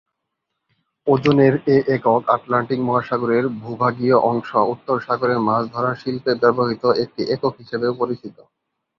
ওজনের এ একক আটলান্টিক মহাসাগরের ভূভাগীয় অংশ উত্তর সাগরে মাছ ধরার শিল্পে ব্যবহৃত একটি একক হিসেবেও পরিচিত।